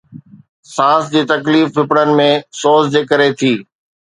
سانس جي تڪليف ڦڦڙن ۾ سوز جي ڪري ٿي